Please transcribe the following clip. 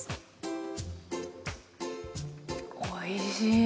おいしい。